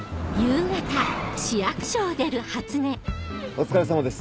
お疲れさまです。